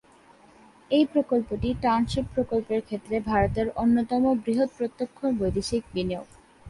এই প্রকল্পটি টাউনশিপ প্রকল্পের ক্ষেত্রে ভারতের অন্যতম বৃহৎ প্রত্যক্ষ বৈদেশিক বিনিয়োগ।